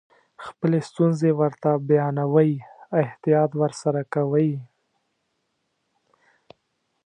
خپلې ستونزې ورته بیانوئ احتیاط ورسره کوئ.